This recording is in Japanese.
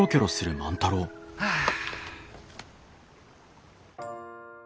はあ。